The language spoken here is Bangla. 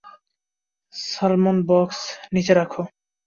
সলোমন, বাক্স নিচে রাখো।